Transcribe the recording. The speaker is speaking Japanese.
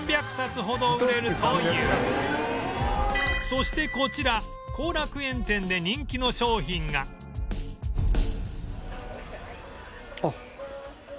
そしてこちら後楽園店で人気の商品があっ。